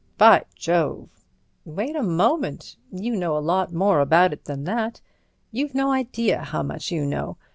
"By Jove!" "Wait a moment. You know a lot more about it than that. You've no idea how much you know.